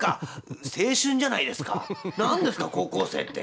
「何ですか高校生って。